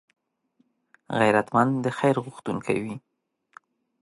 غیرتمند د خیر غوښتونکی وي